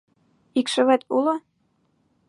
Икшывет уло?